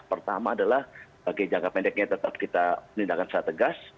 pertama adalah bagi jangka pendeknya tetap kita menindakan secara tegas